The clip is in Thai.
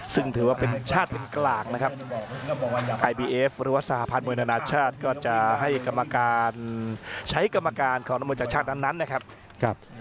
ซึ่งถือว่าเป็นชาติเป็นกลากนะครับ